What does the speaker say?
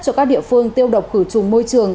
cho các địa phương tiêu độc khử trùng môi trường